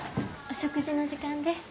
お食事の時間です。